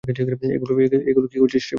এগুলা কি করছিস রে ভাই?